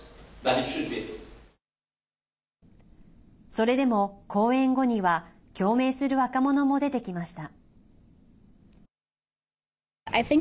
それでも、講演後には共鳴する若者も出てきました。